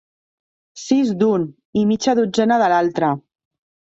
Sis d'un, i mitja dotzena de l'altre.